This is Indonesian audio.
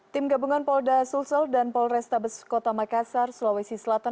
tim gabungan polda sulsel dan polrestabes kota makassar sulawesi selatan